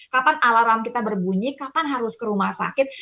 kapan alarm kita berbunyi kapan harus ke rumah sakit